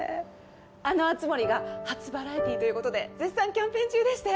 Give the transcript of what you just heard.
あの熱護が初バラエティーということで絶賛キャンペーン中でして。